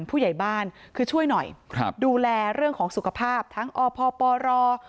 ผู้ใหญ่บ้านคือช่วยหน่อยครับดูแลเรื่องของสุขภาพทั้งอพปร